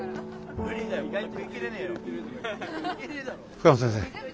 深野先生